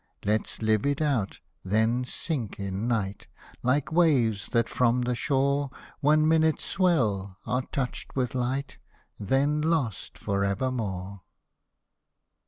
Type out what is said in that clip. Let's live it out — then sink in night. Like waves that from the shore One minute swell, are touched with light. Then lost for evermore